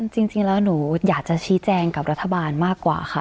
จริงแล้วหนูอยากจะชี้แจงกับรัฐบาลมากกว่าค่ะ